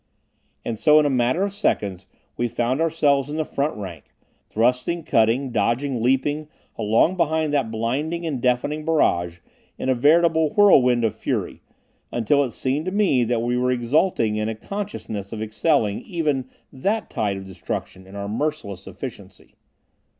And so, in a matter of seconds, we found ourselves in the front rank, thrusting, cutting, dodging, leaping along behind that blinding and deafening barrage in a veritable whirlwind of fury, until it seemed to me that we were exulting in a consciousness of excelling even that tide of destruction in our merciless efficiency.